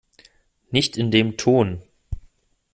Nicht in dem Ton!